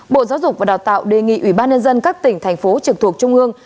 bộ giáo dục và đào tạo đề nghị ủy ban nhân dân các tỉnh thành phố trực thuộc trung ương